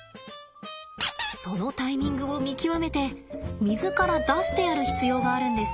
そのタイミングを見極めて水から出してやる必要があるんです。